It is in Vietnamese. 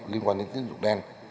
liên quan đến tín dụng đen